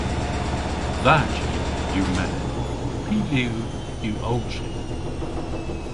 Dha ji yw melyn. Py liw yw ow chi?